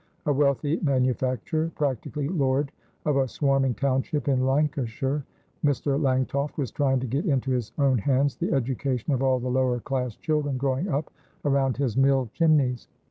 A wealthy manufacturer, practically lord of a swarming township in Lancashire, Mr. Langtoft was trying to get into his own hands the education of all the lower class children growing up around his mill chimneys.